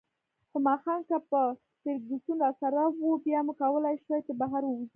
خو ماښام که به فرګوسن راسره وه، بیا مو کولای شوای چې بهر ووځو.